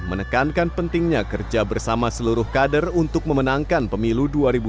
menekankan pentingnya kerja bersama seluruh kader untuk memenangkan pemilu dua ribu dua puluh